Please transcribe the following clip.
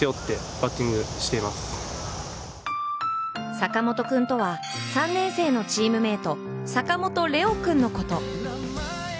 坂本君とは３年生のチームメート坂本劣陽君のこと。